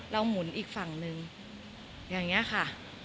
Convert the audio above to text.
หมุนอีกฝั่งนึงอย่างนี้ค่ะ